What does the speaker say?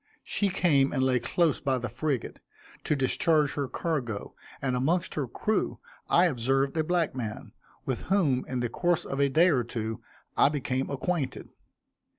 She came and lay close by the frigate, to discharge her cargo, and amongst her crew I observed a black man, with whom, in the course of a day or two, I became acquainted.